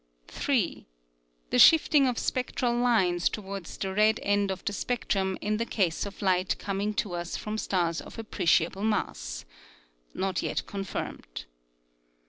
3. The shifting of spectral lines towards the red end of the spectrum in the case of light coming to us from stars of appreciable mass (not yet confirmed).